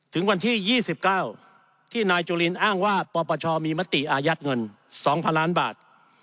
ถึงวันที่๒๙ที่นายจุลินอ้างว่าปปชมีมติอายัดเงิน๒๐๐๐ล้านบาท